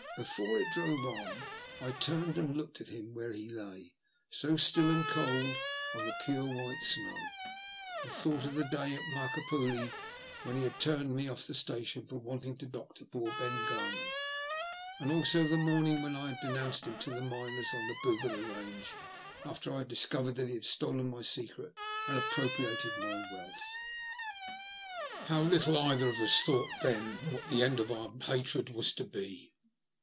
Before I drove on I turned and looked at him where he lay so still and cold on the pure white snow, 96 THE LtJST OP HATE. and thought of the day at Markapurlie, when he had turned me off the station for wanting to doctor poor Ben Garman, and also of the morning when I had de nounced him to the miners on the Boolga Range, after I had discovered that he had stolen my secret and appropriated my wealth. How little either of us thought then what the end of our hatred was to be